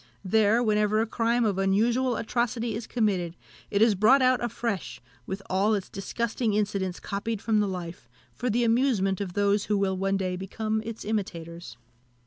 There, whenever a crime of unusual atrocity is committed, it is brought out afresh, with all its disgusting incidents copied from the life, for the amusement of those who will one day become its imitators.